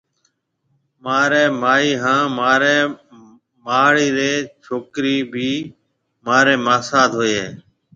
مهارِي ماهِي هانَ مهاريَ ماهڙيَ رِي ڇوڪرِي ڀِي مهارِي ماسات هوئيَ هيَ۔